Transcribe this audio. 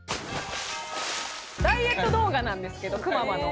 ダイエット動画なんですけどくままの。